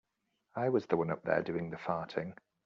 I was the one up there doing the farting.